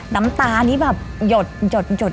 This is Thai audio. น้ำตานี่แบบหยด